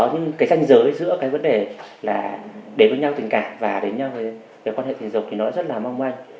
nhưng danh giới giữa vấn đề đến với nhau tình cảm và đến với quan hệ tình dục thì nó rất mong manh